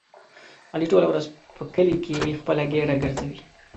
علي ټوله ورځ په کلي خپله ګېډه ګرځوي.